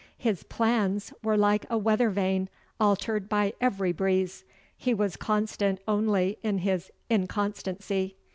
His plans were like a weather vane, altered by every breeze. He was constant only in his inconstancy.